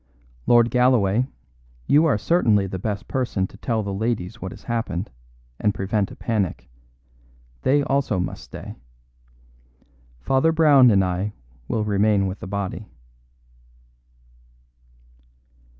Lord Galloway, you are certainly the best person to tell the ladies what has happened, and prevent a panic. They also must stay. Father Brown and I will remain with the body."